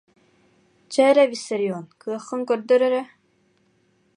Чэ эрэ, Виссарион, кыаххын көрдөр эрэ